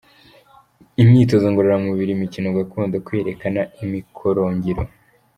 Imyitozo ngororamubiri, imikino gakondo, kwiyereka, imikorongiro.